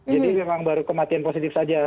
jadi memang baru kematian positif saja